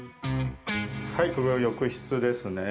はいこれは浴室ですね。